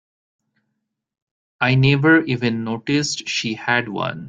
I never even noticed she had one.